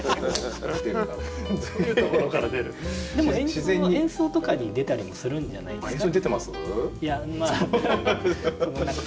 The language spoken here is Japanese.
でも演奏とかに出たりもするんじゃないですか。